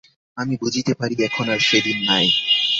আমি বুঝিতে পারি, এখন আর সেদিন নাই।